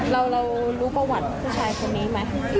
เรารู้ประวัติผู้ชายคนนี้ไหม